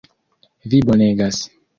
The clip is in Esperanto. Vi bonegas!